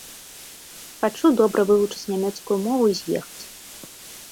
Хачу добра вывучыць нямецкую мову і з'ехаць.